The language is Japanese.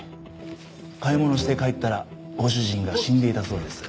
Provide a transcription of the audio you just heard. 買い物して帰ったらご主人が死んでいたそうです。